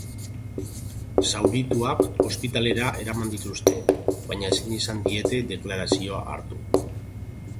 Zaurituak ospitalera eraman dituzte baina ezin izan diete deklarazioa hartu.